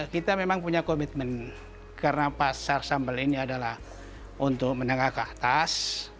kita memang punya komitmen karena pasar sambal ini adalah untuk menengah ke atas